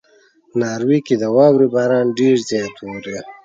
ناروې کې د واورې باران ډېر زیات اوري.